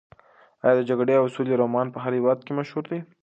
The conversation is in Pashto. ایا د جګړې او سولې رومان په هر هېواد کې مشهور دی؟